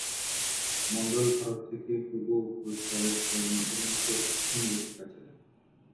মন্ডল ভারত থেকে হুগো পুরস্কারের জন্য মনোনীত প্রথম লেখিকা ছিলেন।